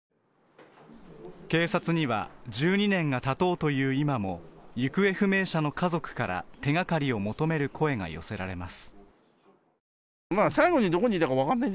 警察には１２年がたとうという今も行方不明者の家族から手掛かりを求める声が寄せられます。